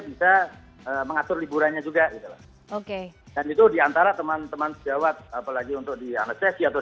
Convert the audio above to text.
bisa mengatur liburannya juga gitu oke dan itu diantara teman teman sejawat apalagi untuk di anestesi atau